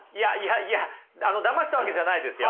いやだましたわけじゃないですよ。